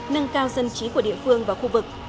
nâng cao dân trí của địa phương và khu vực